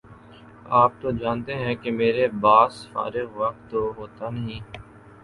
آپ تو جانتے ہیں کہ میرے باس فارغ وقت تو ہوتا نہیں